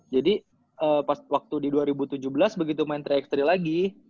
jadi waktu di dua ribu tujuh belas begitu main tiga ax tiga lagi